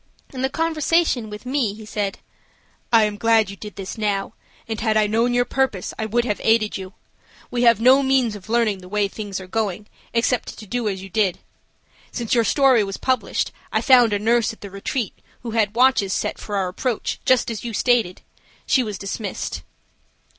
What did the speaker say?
In the conversation with me, he said: "I am glad you did this now, and had I known your purpose, I would have aided you. We have no means of learning the way things are going except to do as you did. Since your story was published I found a nurse at the Retreat who had watches set for our approach, just as you had stated. She was dismissed."